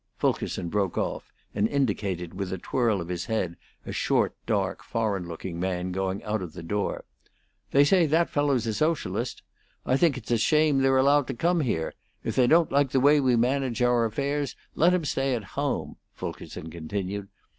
Fulkerson broke off, and indicated with a twirl of his head a short, dark, foreign looking man going out of the door. "They say that fellow's a Socialist. I think it's a shame they're allowed to come here. If they don't like the way we manage our affairs let 'em stay at home," Fulkerson continued.